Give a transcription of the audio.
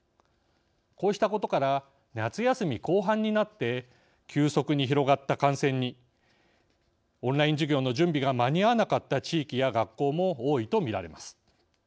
こうしたことから夏休み後半になって急速に広がった感染にオンライン授業の準備が間に合わなかった地域や学校も多いと見られます。